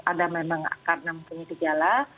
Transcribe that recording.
ada memang akan namun punya tigala